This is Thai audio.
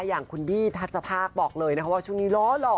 อย่างคุณบี้ทัศภาคบอกเลยนะคะว่าช่วงนี้ล้อหล่อ